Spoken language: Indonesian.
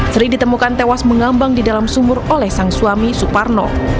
sri ditemukan tewas mengambang di dalam sumur oleh sang suami suparno